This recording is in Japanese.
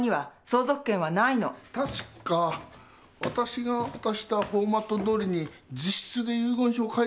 確かわたしが渡したフォーマットどおりに自筆で遺言書を書いたんじゃ？